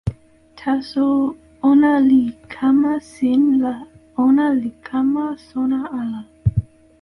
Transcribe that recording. taso ona li kama sin la ona li kama sona ala.